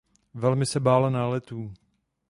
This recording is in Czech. Velmi se bála náletů.